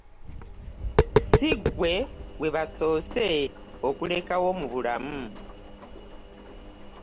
Si ggwe gwe basoose okulekawo mu bulamu.